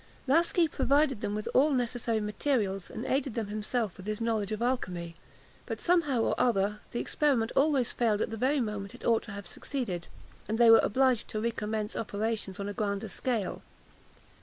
Laski provided them with all necessary materials, and aided them himself with his knowledge of alchymy; but, somehow or other, the experiment always failed at the very moment it ought to have succeeded, and they were obliged to recommence operations on a grander scale.